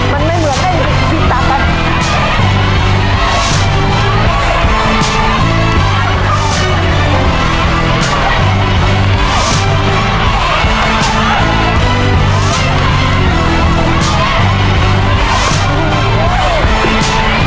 มันไม่เหมือนเล่นกิโลยายเกินปิ๊บต่างกัน